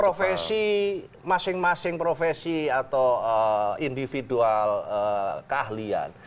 profesi masing masing profesi atau individual keahlian